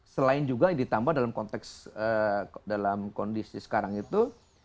selain juga ditambah dalam konteks dalam kondisi sekarang itu